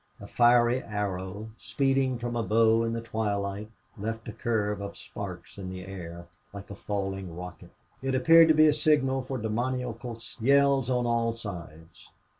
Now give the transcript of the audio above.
A fiery arrow, speeding from a bow in the twilight, left a curve of sparks in the air, like a falling rocket. It appeared to be a signal for demoniacal yells on all sides.